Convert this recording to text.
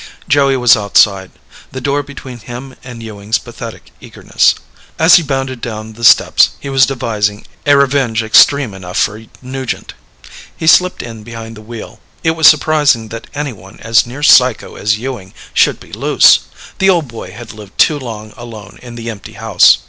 Joey was outside the door between him and Ewing's pathetic eagerness. As he bounded down the steps, he was devising a revenge extreme enough for Nugent. He slipped in behind the wheel. It was surprising that anyone as near psycho as Ewing should be loose. The old boy had lived too long alone in the empty house.